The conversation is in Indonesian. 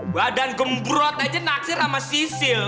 badan gembrot aja naksir sama sisil